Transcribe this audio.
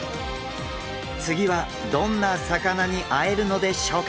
次はどんな魚に会えるのでしょうか？